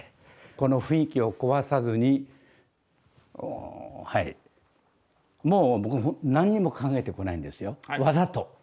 この雰囲気を壊さずにもう僕何にも考えてこないんですよわざと。